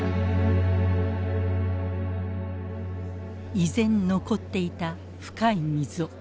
依然残っていた深い溝。